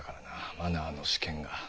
「マナー」の試験が。